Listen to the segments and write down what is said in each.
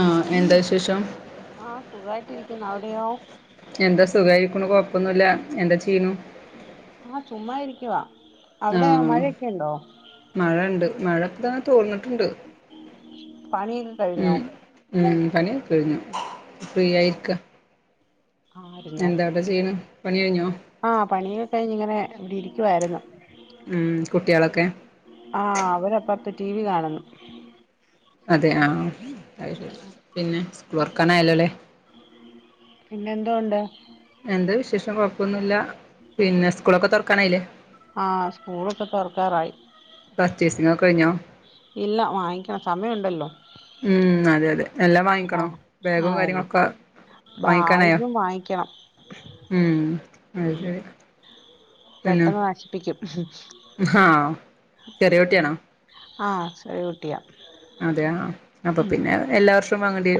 ആഹ് എന്താ വിശേഷം ആഹ് സുഖായിട്ടിരിക്കുന്നു അവിടെയോ എന്താ സുഖായിരിക്കുണു കൊഴപ്പൊന്നുല്ല എന്താ ചെയ്യണു ആഹ് ചുമ്മ ഇരിക്കുവ അവിടെയോ ആഹ് മഴയൊക്കെണ്ടോ മഴണ്ട് മഴ ഇപ്പ തോർന്നിട്ടുണ്ട് പണിയൊക്കെ കഴിഞ്ഞോ ഉം ഉം പണിയൊക്കെ കഴിഞ്ഞു ഫ്രീ ആയിരിക്ക ആയിരുന്നോ എന്താവിടെ ചെയ്ണ് പണി കഴിഞ്ഞോ ആഹ് പണിയൊക്കെ കഴിഞ് ഇങ്ങനെ ഇവിടെ ഇരിക്കുവായിരുന്നു ഉം കുട്ടികളൊക്കെ ആഹ് അവരപ്പറത്ത് ടി വി കാണുന്നു അതെ ആഹ് ആഹ് അയ്ശരി പിന്നെ സ്കൂൾ തുർക്കാനായല്ലോല്ലേ പിന്നെ എന്തൊണ്ട് എന്താ വിശേഷം കൊഴപ്പൊന്നുല്ല പിന്നെ സ്കൂളൊക്കെ തുറക്കാനായില്ലേ ആഹ് സ്കൂളൊക്കെ തൊറക്കാറായി പർച്ചേസിങ്ങൊക്കെ കഴിഞ്ഞോ ഇല്ല വാങ്ങിക്കണം സമയമുണ്ടല്ലോ ഉം അതെ അതെ എല്ലാം വാങ്ങിക്കണോ ആഹ് ബാഗും ആഹ് കാര്യങ്ങളൊക്കെ വാങ്ങിക്കാനായോ ബാഗും വാങ്ങിക്കണം ഉം അയ് ഉം ശരി പെട്ടെന്ന് നശിപ്പിക്കും ഹ ചെറിയ ഉം കുട്ടിയാണോ ആഹ് ചെറിയ കുട്ടി അതെയ അപ്പൊ പിന്നെ എല്ലാ വർഷവും വാങ്ങേണ്ടി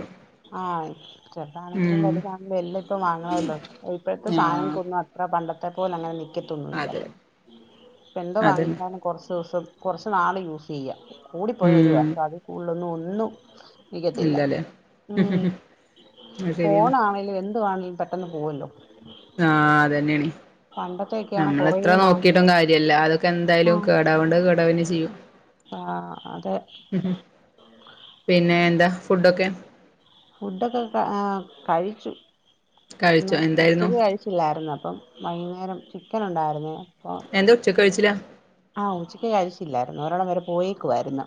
ആഹ് ചെറുതാണെങ്കിലും ഉം വലുതാണെ വെല്ല ഇപ്പം വാങ്ങണല്ലോ ഇപ്പോഴത്തെ സാധനം ആഹ് കൊന്നു അത്ര പണ്ട ത്തെ പോല അങ്ങനെ അതെ നിക്കത്തൊന്നുംല്ലല്ലേ ഇ എന്താ അതന്നെ വാങ്ങിച്ച കുറച്ച് ദിവസം കുറച്ച് നാള് യൂസ് ചെയ്യ കൂടിപ്പോയി ഒരു ഉം വർഷം അതിൽ കൂടുതലൊന്നും ഒന്നും നികതില്ല ആ ശരിയാണ് ആണെ എന്തുവാണെങ്കിലും പെട്ടെന്ന് പോവല്ലോ ആഹ് അതന്നെയണ പണ്ടത്തെയൊക്കെയാണ് നമ്മൾ കൊറേ എത്ര നാള് നോക്കിട്ടും നിക്കും കാര്യല്ല അതൊക്കെ എന്തായാലും ആഹ് കേടാവണ്ട് കേടാവിന്നെ ചെയ്യും ആഹ് അതെ ഉം പിന്നെ എന്താ ഫുഡൊക്കെ ഫുഡൊക്കെ കഴിച്ചു കഴിച്ചോ എന്തായിരുന്നു ഉച്ചക്ക് കഴിച്ചില്ലായിരുന്നു അപ്പം വൈകുന്നേരം ചിക്കൻ ഉണ്ടായിരുന്ന് എന്താ ഉച്ച കഴിച്ചില്ല ആഹ് ഉച്ചയ്ക്ക് കഴിച്ചില്ലായിരുന്നു ഒരെടം വരെ പോയേക്കുവായിരുന്നു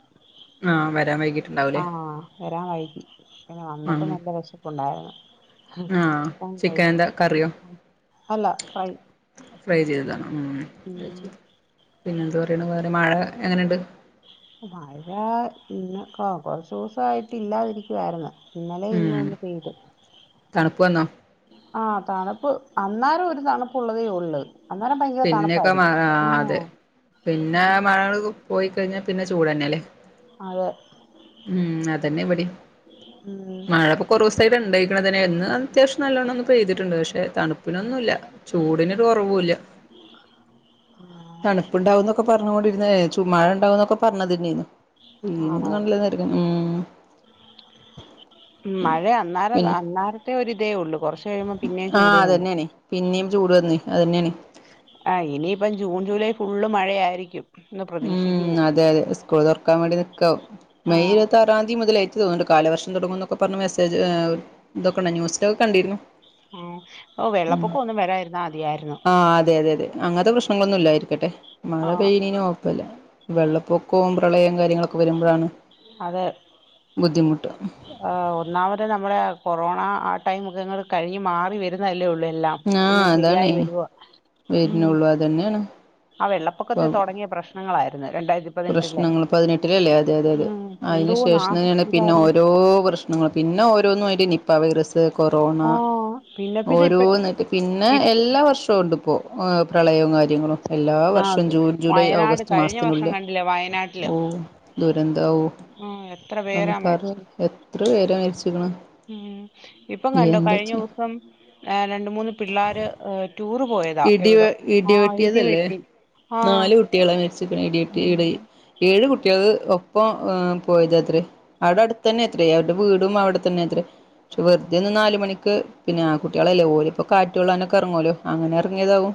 ആഹ് വരാൻ വൈകിട്ടുണ്ടാവൂലേ ആഹ് വരാൻ വൈകി പിന്നെ വന്നപ്പോ ആഹ് നല്ല വിശപ് പൊണ്ടാ ആഹ് ചിക്കൻ എന്താ കറിയോ അല്ല ഫ്രൈ ഫ്രൈ ചെയ്തതാണ് ഉം പിന്നെ എന്താ പറയണ മഴ എങ്ങനെയുണ്ട് മഴ ഇന്ന കൊറച്ചു ദിവസയിട്ട് ഇല്ലാതിരിക്കുവായിരുന്നു ഇന്നലെ ഇന്നും ഉം ഒന്ന് പെയ്തു തണുപ്പ് വന്നോ ആഹ് തണുപ്പ് അന്നേരം ഒരു തണുപ്പുള്ളതേ ഉള്ളു അന്നേരം ഭയ പിന്നെയൊക്കെ മ അതെ പിന്നെ മഴകൾ പോയി കഴിഞ്ഞാൽ പിന്നെ ചൂടന്നെ ല്ലേ അതെ ഉം അതന്നെ ഇവിടിം ഉം മഴ കുറവ്സായിട്ട് ഇത് ന്തായ്ക്ണ് തന്നെ ഇന്ന് അത്യാവശ്യം നല്ലോണം ഒന്ന് പെയ്ത്ട്ട്ണ്ട് പക്ഷേ? തണുപ്പിനൊന്നൂല്ല. ചൂടിനൊരു കൊറവൂല്ല. തണുപ്പ്ണ്ടാവുംന്നൊക്കെ പറഞ്ഞു കൊണ്ടിര്ന്നതേ ചുമ്മാഴണ്ടാവു ന്നൊക്കെ പറഞ്ഞതന്നേന്നു. ആണോ തന്നെയരുന്നുീനന്ന ത് ഉം. ഉം മഴയന്നാരം പിന്നെ അന്നാരത്തെ ഒരു ഇതേ ഉള്ളൂ കുറച്ച് കഴിയുമ്പോ പിന്നേ ആ കൂടുതലന്ന അതന്നെയാണ് പിന്നിം ചൂട് വന്നുയ് അതന്നെയാണയ്. ആഹ് ഇനിയിപ്പം ജൂൺ ജൂലൈ ഫുള്ള് മഴയായിരിക്കും. എന്ന് പ്രതീക്ഷിക്കുന്നു ഉം അതെ അതെ സ്കൂൾ തുറക്കാൻ വേണ്ടി നിക്കു ആവും മെയ് ആഹ് ഇരുപത്താറ് തിയത് മുതല് എനിക്ക് തോന്നുന്നു കാലവർഷം തുടങ്ങുന്ന എന്നൊക്കെ പറഞ്ഞ മെസേജ് ഇതൊക്കെണ്ട ന ന്യൂസിലൊക്കെ കണ്ടിരുന്നു ഉം. ഒ വെള്ളപ്പൊക്കം ഒന്നും വരായിരുന്ന അതിയായിരുന്നു. ആഹ് അതെ അതെ അതെ അങ്ങനത്തെ പ്രശ്നങ്ങളൊന്നും ഇല്ലായിരിക്കട്ടെ.. മഴ ആഹ് പെയ്നീന് കൊഴപ്പല്ല. വെള്ളപ്പൊക്കവും പ്രളയം കാര്യങ്ങളൊക്കെ വരുമ്പഴാണ്. അതെ... ആഹ് ഒന്നാമത് നമ്മുടെ കൊറോണ ആ ടൈമക്കെങ്ങൾ കഴിഞ്മാറി വര് ന്നത് ന്നല്ലേ ഉള്ളൂ എല്ലാം. ആ ഒന്ന് ശരിയായി വരുവ ഉം. തന്നെയാണ്. ആ വെള്ളപ്പൊക്കത്തെ തൊടങ്ങിയ പ്രശ്നങ്ങളായിര്ന്ന് രണ്ടായിര പ്രശ്നങ്ങൾ പതിനെട്ടിലല്ലേ അതെ അതെ അതെ എന്തോ അതിനു നാ ശേഷം തന്നെയാണ് പിന്നെ ഇതായിരുന്നു ഓരോ പ്രശ്ന ന്ന്ങ്ങളെ പിന്നെ ഓരോന്നും ആയിട്ട് നിപ്പ വയറ്സ് ത് കൊറോണ ആഹ് പിന്നെ പിന്നെ ഇപ്പ ഓരോന്ന്ക് പിന്നെ ഇപ്പ എല്ലാ വർഷവും ഉണ്ട്പ്പോ... ഓ പ്രളയവും കാര്യങ്ങളും എല്ലാ ആഹ് വർഷം ജൂൺ ജൂലൈ ഓഗസ്റ്റ് കഴിഞ്ഞ വർഷം മാസത്തിനുള്ളിൽ. അല്ല വയനാട് ഓ ദുരന്ത ഓ ആഹ് എത്ര അന്ന് പേരാ പറ മരിച്ചേ എത്ര പേരാ മേരിച്ച്ക്കണ്. ഉം. ഇപ്പം കണ്ടോ കഴിഞ്ഞ ദിവസം രണ്ട മൂന്ന് പിള്ളാര് ടൂറ് പോയത് ഇടി വെ ഇടിവെട്ടിയതല്ലേ ആഹ് നാല് കുട്ടികളെ മരിച്ച് ക്ണേ ഇടിവെട്ടിഇടി ഉം ഏഴ് കുട്ട്യാൾ ഒപ്പം അ് പോയതാത്ര. അവടെ അടുതന്നെ എത്രയേ അവരുടെ വീടും അവിടെത്തന്നെ എത്ര പക്ഷെ വെറുതെ ഒന്ന് നാല് മണിക്ക് ക്ക് പിന്നെ ആ കുട്ടികളല്ലേ ഓല് ഇപ്പോകാറ്റ് കൊള്ളാനൊക്കെ അറ ങ്ങെല്ലോ അങ്ങനെ എറങ്ങിയതാവും.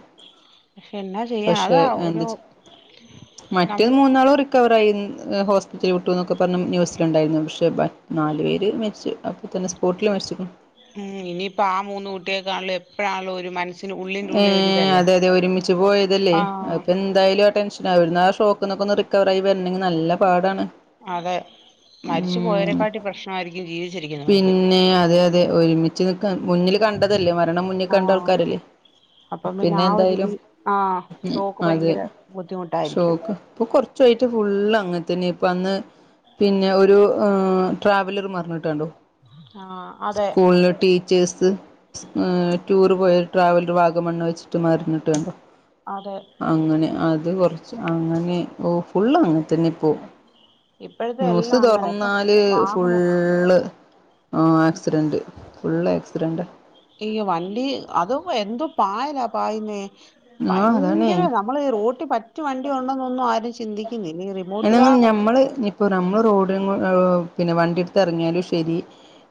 പക്ഷെ എന്നാ ചെയ്യാ പക്ഷെ അതാ ഒരു എന്താച് മറ്റേത് നമ്മള് മൂന്നാൾ ഓറി കവറായി ഇഅ് ഹോസ്പിറ്റല് വിട്ടു എന്നൊക്കെ പറഞ്ഞഞ് ന്യൂസിലുണ്ടായിരുന്നു. പക്ഷേ മ നാല് പേര് മെരിച്ച്. അ തന്നെ സ്പോട്ടിൽ മേര്ച്ച്ക്ക്ണ്. ഉ ഇനിയിപ്പോ ആ മൂന്ന് കുട്ടിയെക്കാണല്ലോ എപ്പോഴാണല്ലോ ഒരു മനസ് ഏ അതെ അതെ ഒരുമിച്ച് പോയതല്ലേ ആഹ് അപ്പ എ എന്തായാലും ആ ടെൻഷൻ ആവരുന്ന ആ ഷോക്ക്ന്നൊക്കൊന്ന് റിക്കവർ ആയി വരണമെങ്കി നല്ല പാടാണ്. അതെ മരിച്ചു ഉം പോയരെേക്കാട്ടി പ്രശ്നമായിരിക്കും ജീവിച്ചിരിക്കുന് പിന്നെ അതെ അതെ ഒരുമിച്ച് നിക്ക മുന്നിൽ കണ്ടതല്ലേ മരണം മുന്നിൽ കണ്ട ആഹ് ആൾക്കാരല്ലേ? അപ്പം പിന്നെ ആ ഒരു എന്തായാലും രീ ആഹ് ഉം ഷോക്ക് അത് ഭയങ്കര ബുദ്ധിമുട്ടായിരിക്കും ഷോക്ക് ഇപ്പൊ കൊറ ചോയ്ട്ട് ഫുള്ള് അങ്ങനെത്തന്നെ ഇപ്പഅന്ന് പിന്നെ ഒരു അ് ട്രാവലർ മറിഞ്ഞിട്ടുണ്ടോ? ആഹ് അതെ സ്കൂൾല് ടീ ചേസ് സ് അ് ടൂറ് പോയ ട്രാവൽ ടെ വാഗംമണ്ണ് വെച്ചിട്ട് മറിഞിട്ട്ണ്ടോ? അതെ അങ്ങനെ അത് കുറച്ച് അങ്ങനെ ഓ ഫുള്ള്അങ്ങനെതന്നെ ഇപോ. ഇപ്പോഴത്തെ നൂസ് എല്ലാം അങ്ങനെ ഇപ്പം തൊറന്നാല് വാഹന ഫുള്ള്. ഓ ആക്സിഡന്റ് ഫുള്ള് ആക്സിഡന്റ്. ഈ വണ്ടി അതും എന്ത്പായലാ പായന്നേ ആ അതാണേ ഭയങ്കര അ നമ്മള് അ് റോട്ടി പറ്റി വണ്ടി ഉണ്ടെന്നൊന്നും ആരും ചിന്തിക്കുന്നി റി എന്നന്നും നഞമ്മള് ഇപ്പോ നമ്മൾ റോഡ [unintelligible] പിന്നെ വണ്ടിഎടുത്ത്റങ്ങിയാല്ശരി.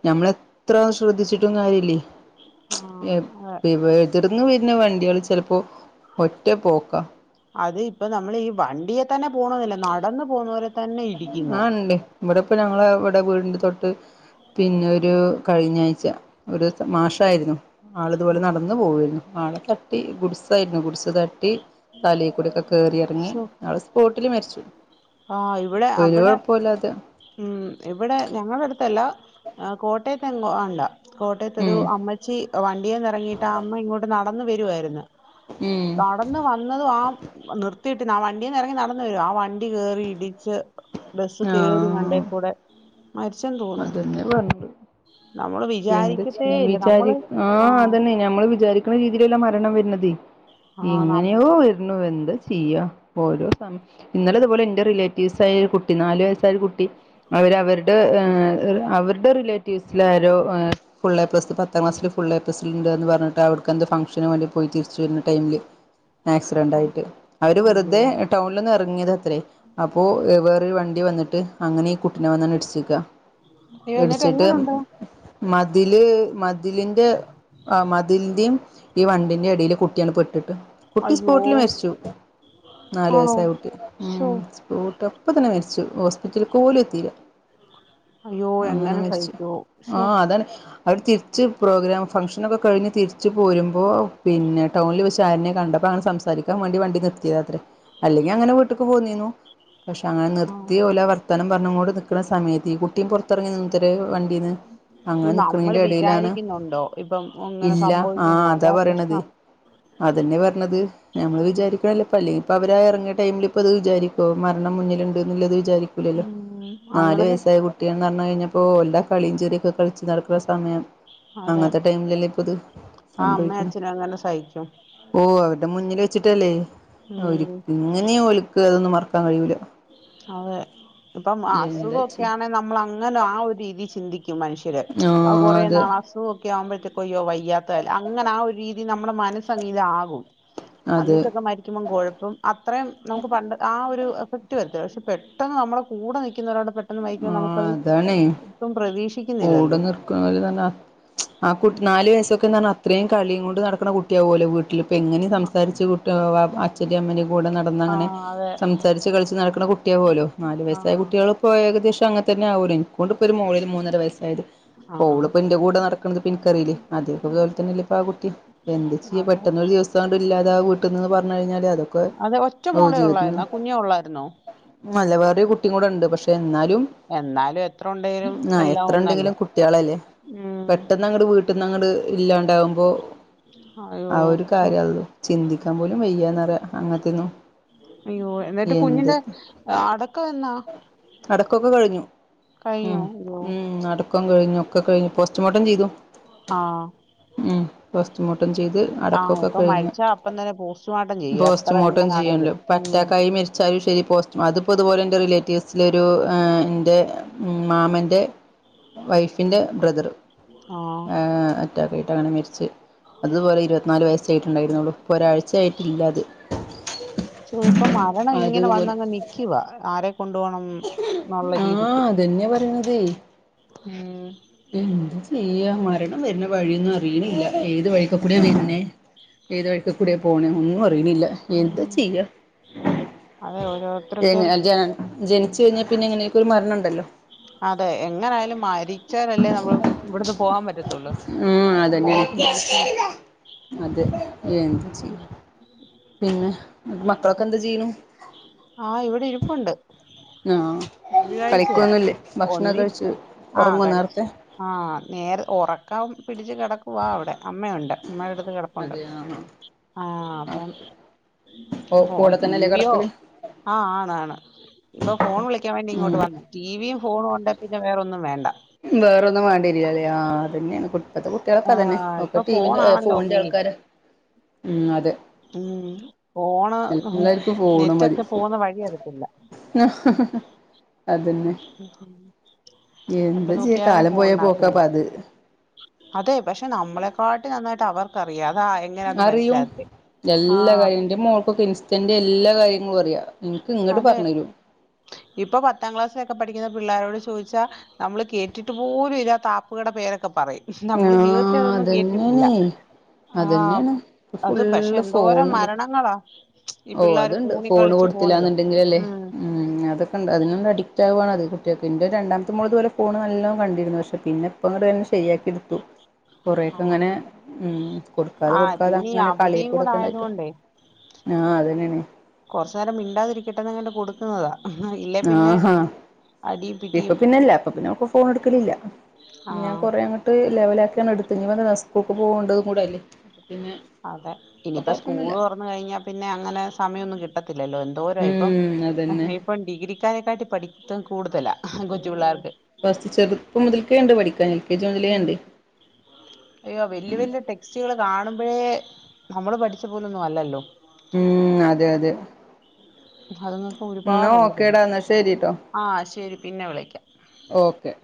ഞമ്മളെത്രറാ. ശ്രദ്ധിച്ചിട്ടും കാര്യല്ലേ. ആ മ്ഷ് അതെ എ എവ്ട്ജ്ന്ന് വരുന്ന വണ്ടികള് ചിലപ്പോ ഒറ്റ പോക്കാ. അത് ഇപ്പ നമ്മൾ ഈ വണ്ടിയെ തന്നെ പോണൊന്നില്ല നടന്ന് പോകുന്നവരേം ആഹ് ഇണ്ട് ഇവടെപ്പ ഞങ്ങള ഇവടെ വീടിന്റെ തൊട്ട് പിന്നെ ഒരു കഴിഞ്ഞാഴ്ച ഒരു മാഷായിരുന്നു. ആള്ത്പോലെ ആ നടന്ന് പോവേര്ന്നു ആളെ തട്ടി ഗുഡ്സായിരുന്നു ഗുഡ്സ് ത തലേ കൂടൊക്കെ കേറിയെറങ്ങി ആള് സ്പോട്ടില് മരിച്ചു ആഹ് ഇവിടെ ഒരു അവിടെ കുഴപ്പല്ലാതെ ഉം ഇവിടെ ഞങ്ങളെട്ത്തല്ല കോട്ടയത്തെങ്ങോ ആണ്ട കോട്ടയത്തൊരു ഉം അമ്മച്ചി വണ്ടിയന്ന ഇറങ്ങിയിട്ട് ആ അമ്മ ഇങ്ങോട്ട് നടന്ന് വരുവായിരുന്നു. ഉം. അന്ന് വന്നതും ആ നിർത്തിട്ടീന ആ വണ്ടീന്നെറങ്ങി നടന്ന് വരുവാ ആ വണ്ടി കേറി ഇടിച്ച് ബസ് ആ കേറി മണ്ടേ കൂടെ മരിച്ചെന്ന് തോ അതെന്നെ പർഞ്ഞത് എന്ത് വിചാരിക്കത്തേ ചെയ്യും ഇല്ല വിചാരി നമ്മള് ആഹ് അതന്നെ ഞമ്മള് വിചാരിക്കണ രീതീലല്ല മരണം വര്ന്നത് ആഹ് ന എങ്ങനെയോ എന്താ ചെയ്യ ഓരോ സമ ഇന്നലെത്പോലെ എന്റെ റിലേറ്റീവ്സായൊരു കുട്ടി നാല് വയസ്സായൊരു കുട്ടി അവര് അവര്ടെ ഏ അവര്ടെ റിലേറ്റീവ്സിലാരോ ഫുള്ളേ പ്ലസ് പത്ത് പത്താം ക്ലാസില് ഫുള്ളേ പ്ലസ്ണ്ട്ന്ന് പർഞ്ഞ്ട്ട് അവ്ട്ക്കെന്തോ ഫങ്ഷന് വേണ്ടി പോയി തിരിച്ച് വര്ന്ന ടൈമില് ആക്സിഡന്റായിട്ട് അവര് അയ്യോ വെറ്തെ ടൗണിലൊന്ന് എറങ്ങിയതാത്രേ അപ്പോ എഹ് വേ ഒര് വണ്ടി വന്ന്ട്ട് അങ്ങനെ ഈ കുട്ടിനെ വന്നാണ്ട് ഇട്ച്ച്ക്ക അയ്യോ എന്നിട്ട് ഇടിച്ചിട്ട് എങ്ങനുണ്ട് മതില് മതിലിന്റെ അഹ് മതിലിന്റിം ഈ വണ്ടിൻ്റെം എടീല് കു ട്ടിയാണ്ട് പെട്ടിട്ട് കുട്ടി അയ്യോ സ്പോട്ടിൽ മരിച്ചു നാല് ആണോ വയസായ കുട്ടി ഉം ശോ സ്പോട്ട് അപ്പ തന്നെ മരിച്ചു ഹോസ്പിറ്റൽക്കോലും എത്തീല്ല അയ്യോ അങ്ങനെ എങ്ങനെ മരിച്ചു സഹിക്കോ ശോ ആഹ് അതാണ് അവര് തിരിച്ച് പ്രോഗ്രാം ഫംഗ്ഷനൊക്കെ കഴിഞ്ഞ് തിരിച്ച് പോരുമ്പോ പിന്നെ ടൗണിൽ വെച്ച് ആരിനെ കണ്ടപ്പങ്ങനെ സം സാരിക്കാൻ വേണ്ടി വണ്ടി നിർത്തിയതാത്രേ അല്ലെങ്കി അങ്ങനെ വീട്ട്ക്ക് പോന്നീനു പക്ഷെ അങ്ങനെ ആഹ് നിർത്തി ഓലാ വർത്താനം പറഞ്ഞ്ക്കോണ്ട് നിക്ക്ണ സമയത്ത് ഈ കു ട്ടിം പൊർത്തെർങ്ങി നിന്നത്രെ വണ്ടീന്ന് ഈ അങ്ങനെ നമ്മള് നിക്കണീൻ്റെടീലാണ് വിചാരിക്കുന്നുണ്ടോ ഇപ്പം ഇങ്ങനെ ഇല്ല ആഹ് സംഭവിക്കുമെന്നോ അതാ പറണത് പ്രശ്നം അതെന്നെ പർഞ്ഞത് ഞമ്മള് ഉം വിചാരിക്ക്ണല്ല ഇപ്പല്ലെ ഇപ്പവര് എറങ്ങിയ ടൈമില്പ്പത് വിചാരിക്കോ മരണം മുന്നില്ണ്ട്ന്ന്ള്ളത് വിചാരി ക്കൂലല്ലൊ ഉം നാല് അങ്ങനൊക്കെ വയസ്സായ കു ട്ട്യാന്നറിഞ്ഞ് കഴിഞ്ഞപ്പോ എല്ലാ കളിയും ചിറിയൊക്കെ കളിച്ച് നടക്ക്ണ സമയം അതെ അങ്ങൻത്തെ ടൈമിലല്ലെപ്പത് ആ അമ്മേം സംഭവിക്ക്ണ് അച്ഛനും [unintelligible] ഓഹ് അവര്ടെ മുന്നില് വെച്ചിട്ടല്ലേ ഒരി ഉം എങ്ങനെയാ ഓല് ക്ക് അതൊന്നും മറക്കാൻ കയ്യൂല അതെ ഇപ്പം എന്താ അസുഖൊക്കെയാണെ ചെയ്യാ നമ്മളങ്ങനെ ആഹ് ഒരു രീതി ചിന്തിക്കും മനുഷൻ ത്രെ ആ അഹ് കൊറേ അതെ നാളാസ് ത് ഒക്കെ ആവുമ്പോഴത്തേക്ക് അയ്യോ വയ്യാത്തല്ലെ അങ്ങനെ ആഹ് ഒരു രീതി നമ്മടെ മനസ്സങ്ങീതാവും അതെ അന്നിട്ടൊക്കെ മരിക്കുമ്പം കൊഴപ്പം അത്രേം നമുക്ക് പണ്ട് ആഹ് ഒരു എഫ ട്ടു അത്യാവ്ശ്യ പെട്ടെന്ന് നമ്മളെ കൂടെ നിക്കുന്നൊരാള് പെട്ടെന്ന് മരിക്കുമ്പൊ ആ നമുക്കത് ഒട്ടും പ്രതീ ഓടു നിർ ക് നോല് തന്നെ ആഹ് കുട്ടി നാല് വയസ്സൊക്കെന്ന് പറഞ്ഞ അത്രേം കളിയും കൊണ്ട് നടക്ക്ണ കുട്ടിയാവല്ലൊ വീട്ടില് എങ്ങനെ സംസാരിച്ച് കുട്ടി അച്ഛൻ്റെം അമ്മൻ്റേം കൂടെ നട ടന്നങ്ങനെ ആഹ് അതെ സംസാരിച്ച് കളിച്ച് നടക്ക്ണ കുട്ടിയാവോലൊ നാല് വയസ്സായ ആഹ് കുട്ടികള് ഇപ്പൊ ഏകദേശം അങ്ങൻതന്നെ ആവൂലെ ഇക്കുണ്ട്പ്പൊര് മൂന്നര മൂന്നര വസ്സായത് ഇപ്പോളിപ്പന്റെ കൂടെ നടക്ക്ണത് ഇപ്പിൻക്കറീലെ അതേ പോൽ തന്നെല്ലേ ഇപ്പ ആ കുട്ടിം എന്താ ചെയ്യ അതെ പെട്ടെന്നൊരു ദിവസാണ്ട് ഇല്ലാതെ ആ വീട്ട്ന്ന് പറഞ്ഞ് കഴിഞ്ഞാല് അതൊക്കെ അത് ഒറ്റ ഓ മോളെ ജീവിതത്തിന് ഒള്ളായിരുന്നോ കുഞ്ഞേ ഒള്ളായിരുന്നോ? അല്ല വേറൊരു കുട്ടിം കൂടെണ്ട് പക്ഷെന്നാലും എന്നാലും എത്രണ്ടേലും എല്ലാം ഒന്നല്ലേ എത്രണ്ടെങ്കിലും കുട്ട്യാളല്ലേ ഉം പെട്ടന്നങ്ങട് വീട്ട്ന്നങ്ങട് ഇല്ലാണ്ടാവുമ്പോ അയ്യോ ആഹ് ഒരു ശോ കാര്യല്ലു ചിന്തിക്കാൻ പോലും വെയ്യാന്നറിയ അങ്ങനത്തിന്നു. അയ്യോ എന്നിട്ട് കുഞ്ഞിന്റെ അടക്കം എന്നാ കെ കഴിഞ്ഞു കഴിഞ്ഞോ ഉം അയ്യോ ഉം അടക്കം കഴിഞ്ഞു ഒക്കെ കഴിഞ്ഞു പോസ്റ്റ്മോർട്ടം ചെയ്തു. ആഹ് ഉം പോസ്റ്റ്മോർട്ടം ചെയ്ത് ആഹ് അടക്കക്കെ ഇപ്പൊ കഴിഞ്ഞു മരിച്ചാ അപ്പം തന്നെ പോസ്റ്റ്മോർട്ടം ചെയ്യും എത്ര പോസ്റ്റ്മോർട്ടം എങ്ങനാണേലും ചെയ്യണല്ലോ ഉം പറ്റാകായിമ്മേര് ചാലു ശേരി പോസ്റ്റും അതിപ്പോ അതുപോലെ ഇൻ്റെ റിലേറ്റീവ്സിലൊരു എൻ്റെ മാമൻ്റെ വൈഫിൻ്റെ ബ്രദറ് ആഹ് ഏഹ് അറ്റക്കയ്ക്കാണ്ട് അങ്ങനെ മരിച്ച്. അതുപോലെ ഇരുപത്തിനാല് വയസ്സായിട്ടുണ്ടായിരുന്നുള്ളു. പ്പോ ഒരാഴ്ചയായിട്ടില്ലാത് അതതുപോലെ ക്യുവാ ആരെ കൊണ്ടു പോണം എന്നുള്ള രീതിക്ക്. ധന്യ പറയണതെ ഉം എന്ത് ചെയ്യാ മരണം വരുന്ന വഴിയൊന്നും അറിയണില്ല ഏത് വഴിക്കൊ കൂടിയ വരുന്നേ. ഏത് വഴിക്കക്ക് കൂടിയ പോണെ ഒന്നും അറിയിണില്ല എന്താ ഉം. ചെയ്യ. അതെ ഒരു പിന്നെ ജ ജനിച്ചു കഴിഞ്ഞാൽ പിന്നെ എങ്ങനെക്കൊ ഒരു മരണം ഇണ്ടല്ലോ. അതെ എങ്ങനൊയാലും മരിച്ചാലല്ലേ നമ്മള് ഇവിടന്ന് പോകാൻ പറ്റത്തുള്ളൂ. ഉം അതുകൊണ്ടായിരിക്കും അതന്നെണ് മരിക്കുന്നെ അതെ ജനിച്ച് പിന്നെ മക്കളൊക്കെ പക്ഷെ എന്താ ചെയ്യ്ണു ആഹ് ഇവിടെ ഇരിപ്പുണ്ട്. ആഹ് ഴ്ചയാ കളിക്കൊന്നുല്ലേ ഒന്നി ഭക്ഷണൊക്കെ കഴിച്ച് ആഹ് ഉറങ്ങോ കഴിച്ചു. നേരത്തെ ആഹ് നേരെ ഉറക്കൻ പിടിച്ച് കിടക്കവാ അവിടെ അമ്മയുണ്ട് അമ്മയടുത്ത് കെട അതെ അ ആഹ് ആഹ് അപ്പം ഓ കൂടെ [unintelligible] തന്നെല്ലേ ടിവിയോ? കിടക്കല് ആഹ് ആണ് ആണ് ഇപ്പൊ ഫോൺ വിളിക്കാൻ വേണ്ടി ഉം ഇങ്ങോട്ട് വന്ന ടിവിയും ഫോണുണ്ടെ പിന്നെ വേറൊന്നും വേണ്ട. വേറൊന്നും വേണ്ടരൂല്ലലേ ആഹ് അതന്നെയാണ് ഇപ്പോ ഇപ്പത്തെ കുട്ടികളൊക്കെ അതന്നെ ആഹ് ഒക്കെ ഇപ്പൊ ടിവിന്റെ ഫോണാണല്ലോ ഫോണിന്റെ മെയിൻ ആൾക്കാര ഉം അതെ ഉം പോണ് ഉം എല്ലാർക്കും ഫോണ് മതി നെറ്റൊക്കെ പോണ വഴി അറിയത്തില്ല. [unintelligible] അതന്നെ ഉഹം എന്താ ചെയ്യ കാലം പോയ തന്നെ പോക്കാപ്പത് അതെ പക്ഷെ നമ്മളെക്കാട്ടി നന്നായിട്ട് അവർക്കറിയാം അത [unintelligible] അറിയും എല്ലാ കാര്യന്റെയും മോൾക്കൊക്കെ ഇൻ സ്റ്റൻ്റെ എല്ലാ കാര്യങ്ങളും അറിയാ ഇൻക്ക് ഇങ്ങട്ട് അതെ പറഞ്ഞ് തരും ഇപ്പൊ പത്താം ക്ലാസ്സിലൊക്കെ പഠിക്കുന്ന പിള്ളാരോട് ചോദിച്ചാ നമ്മള് കേട്ടിട്ട് പോലും ഇല്ലാത്ത ആപ്പുകളുടെ പേരൊക്കെ പറയും. നമ്മള് ജീവിതത്തെ ആ അതൊന്നും കേട്ടിട്ടില്ല. അതന്നെയാണ് ആഹ് അതന്നെയാണ് അത് പക്ഷെ ഫുള്ള് എന്തോരം ഫോണല്ലേ മരണങ്ങളാ ഈ ഓ പിള്ളേർ അതുണ്ട് ഫൂണി ഫോണ് കളിച്ച്ച് പോന്നത് കൊടുത്തില്ലാന്നുണ്ടെങ്കിലല്ലേ ഉം അതൊക്കെ ഉണ്ട് അതിനൊന്ന് അഡിക്റ്റ് ആവുകാണ്ണത് കുട്ടികൾക്കെ എൻ്റെ രണ്ടാമത്തെ മോന് ഫോണ് നല്ലണം കണ്ടിരുന്നു പക്ഷെ പിന്നെ ഇപ്പങ്ങടയ്നെശരിയാക്കി എടുത്തു. കുറെക്കെ ഉങ്ങനെ ഉം കൊടുക്കാതെ ആഹ് കൊടുക്കാതെ പിന്നെ ഈ ങ്ങനെ അവധിയും കൂടെ കളിയൊകൂടെക്കെയിട്ട്. ആയതുകൊണ്ടേ ആഹ് അതന്നെണ്. കൊറച്ചു നേരം മിണ്ടാതിരിക്കട്ടെന്ന്ങ്ങട്ട് കൊടുക്കുന്നതാ ഇല്ലേ പിന്നെ അടിയും ഇപ്പ പിടിയും പിന്നെല്ല അപ്പ പിന്നെ ഫോൺ എടുക്കലില്ല ഞാൻ ആഹ് കൊറേ അങ്ങ ട്ട് ലെവലിലാക്കിയാണ് എട്ത്ത് [unintelligible] ക്കുക്ക് പോവണ്ടതും കൂടെയല്ലേ പിന്നെ പ്പ കൊഴപ്പൊന്നുല്ല കഴിഞ്ഞ പിന്നെ അങ്ങനെ സമയൊന്നും കിട്ടത്തില്ലല്ലോ എന്തോരോ ഇപ്പം ഉം അതന്നെ ഇപ്പ ഡിഗ്രിക്കാരെക്കാട്ട് പഠിത്തം കൂടുതലാ ഓ കൊച്ചു പിള്ളേർക്ക് ഫസ്റ്റ് ചെറുപ്പം മുതൽക്കേണ്ട് പഠിക്കാന് ഉം അയ്യോ വല്യ വല്യ ടെക്സ്റ്റുകൾ കാണുമ്പോഴേ നമ്മള് പഠിച്ച പോലൊന്നും അല്ലല്ലോ ഉം അതെ അതെ അതന്നക്ക എന്നാ ഒരുപാടുണ്ട് പണി ഓക്കേടാ എന്നാ ശരിട്ടോ ആഹ് ശരി പിന്നെ വിളിക്കാം. ഓക്കേ